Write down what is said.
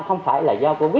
không phải là do covid